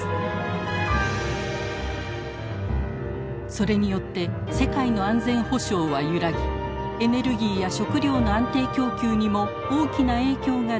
それによって世界の安全保障は揺らぎエネルギーや食料の安定供給にも大きな影響が出ています。